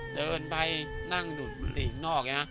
เดินไปนั่งหลีนอก